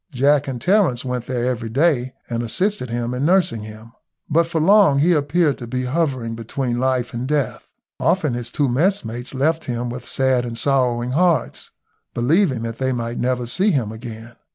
Jack and Terence went there every day, and assisted in nursing him, but for long he appeared to be hovering between life and death. Often his two messmates left him with sad and sorrowing hearts, believing that they might never see him again.